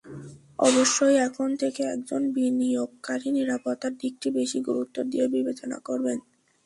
অবশ্যই, এখন থেকে একজন বিনিয়োগকারী নিরাপত্তার দিকটি বেশি গুরুত্ব দিয়ে বিবেচনা করবেন।